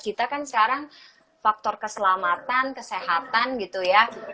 kita kan sekarang faktor keselamatan kesehatan gitu ya mungkin itu yang harus ditanamkan